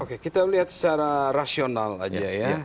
oke kita lihat secara rasional aja ya